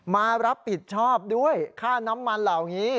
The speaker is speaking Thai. มารับผิดชอบด้วยค่าน้ำมันเหล่านี้